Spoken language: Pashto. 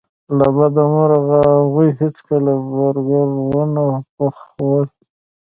له بده مرغه هغوی هیڅکله برګر ونه پخول